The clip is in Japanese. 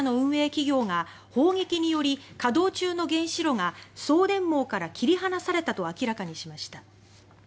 企業が砲撃により稼働中の原子炉が送電網から切り離されたと明らかにしました。